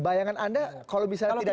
bayangan anda kalau tidak dilakukan